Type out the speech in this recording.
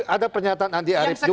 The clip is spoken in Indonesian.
ada pernyataan andi arief juga